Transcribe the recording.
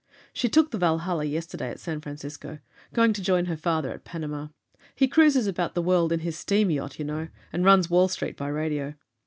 "She took the Valhalla yesterday at San Francisco. Going to join her father at Panama. He cruises about the world in his steam yacht, you know, and runs Wall Street by radio.